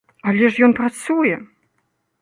Але ж ён працуе!